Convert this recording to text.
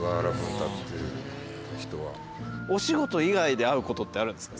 お仕事以外で会うことってあるんですか？